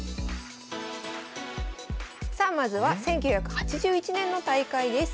さあまずは１９８１年の大会です。